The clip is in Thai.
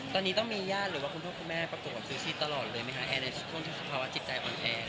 ตอนนี้ต้องมีญาติหรือว่าคุณพวกคุณแม่ปรากฏกับซูซี่ตลอดเลยไหมคะแอร์ในชุดทุกวันที่เค้าพาวะจิตใจบนแอร์